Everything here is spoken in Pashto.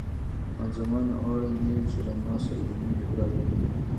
خان زمان: او اړ نه یې چې له ما سره د مینې اقرار وکړې.